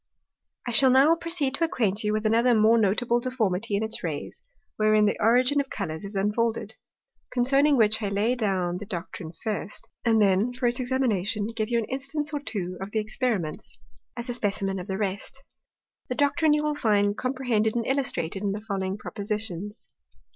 I shall now proceed to acquaint you with another more notable deformity in its Rays, wherein the Origin of Colours is unfolded: Concerning which I shall lay down the Doctrine first, and then, for its Examination, give you an Instance or two of the Experiments, as a Specimen of the rest. The Doctrine you will find comprehended and illustrated in the following Propositions.